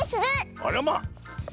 あらま。